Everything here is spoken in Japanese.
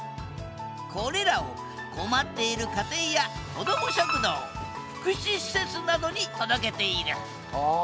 これらを困っている家庭や子ども食堂福祉施設などに届けているああ